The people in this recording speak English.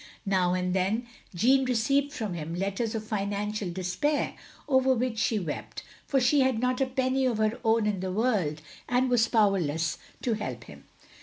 Now and then Jeanne received from him letters of financial despair, over which she wept, for she had not a penny of her own in the world, and was powerless to help him.